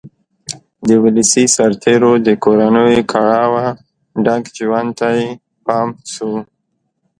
د ولسي سرتېرو د کورنیو کړاوه ډک ژوند ته یې پام شو